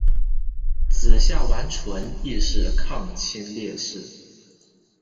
子夏完淳亦为抗清烈士。